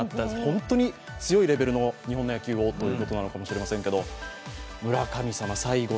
本当に強いレベルの日本の野球をということなのかもしれません。